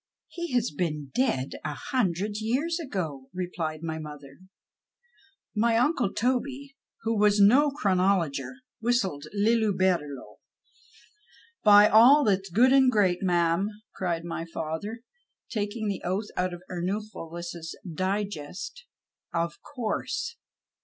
" He has been dead a hundred years ago," replied my mother. My uncle Toby, who was no chrcuologer, whistled " Lillibullero." 84 MY UNCLE TOBY PUZZLED " By all that's good and great ! ma'am," cried my father, taking the oath out of Ernulphus's digest, " of course.